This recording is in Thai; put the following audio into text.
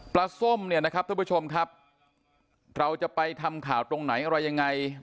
ส้มเนี่ยนะครับท่านผู้ชมครับเราจะไปทำข่าวตรงไหนอะไรยังไง